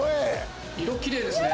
色きれいですね。